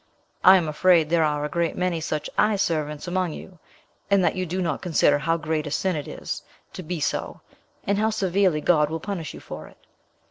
I am afraid there are a great many such eye servants among you, and that you do not consider how great a sin it is to be so, and how severely God will punish you for it.